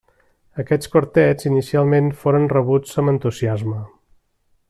Aquests quartets, inicialment, foren rebuts amb entusiasme.